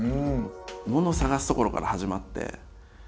ものを探すところから始まって。